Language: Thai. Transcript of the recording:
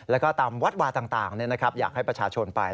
แล้วก็ตามวัดวาต่างอยากให้ประชาชนไป